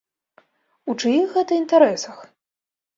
У чыіх гэта інтарэсах?